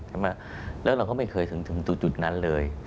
แล้วเราก็ไม่เคยถึงตรงจุดนั้นเลย